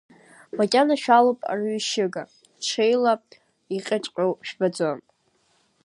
Макьана шәалоуп арҩышьыга, ҽеила иҟаҵәҟьоу жәбаӡом!